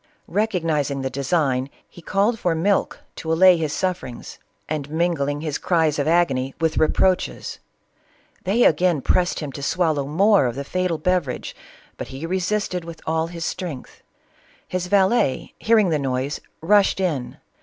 Recognizing the design, he called for milk to allay his sufferings, and mingling CATHERINE OP RUSSIA. 409 his cries of agony with reproaches. They again pressed him to swallow more of the fatal beverage, but he re sisted with all his strength. His valet, hearing the noise, rushed in.